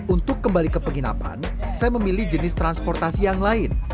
untuk kembali ke penginapan saya memilih jenis transportasi yang lain